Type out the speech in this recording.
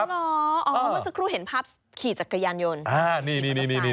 เมื่อสักครู่เห็นภาพขี่จักรยานยนต์